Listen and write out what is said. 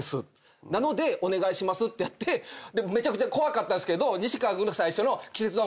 「なのでお願いします」ってやってめちゃくちゃ怖かったですけど西川君の最初の気絶の。